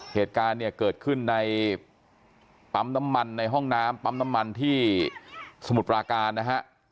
เหตุการณ์เนี่ยเกิดขึ้นในปั๊มน้ำมันในห้องน้ำปั๊มน้ำมันที่สมุทรปราการนะฮะ